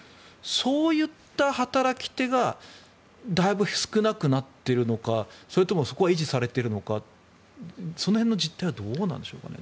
そういった働き手がだいぶ少なくなっているのかそれともそこは維持されているのかその辺の実態はどうなんでしょうかね。